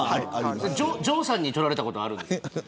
城さんに取られたことはあるんですか。